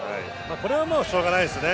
これはもうしょうがないですね。